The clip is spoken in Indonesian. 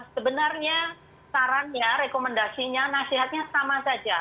sebenarnya sarannya rekomendasinya nasihatnya sama saja